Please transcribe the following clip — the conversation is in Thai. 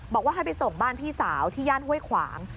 บอกว่าให้ไปส่งบ้านพี่สาวที่ย่านห้วยขวาง